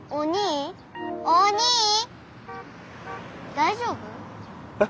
大丈夫？え？